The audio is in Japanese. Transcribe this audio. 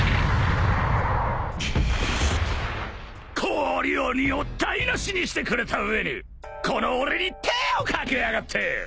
氷鬼を台無しにしてくれた上にこの俺に手をかけやがって！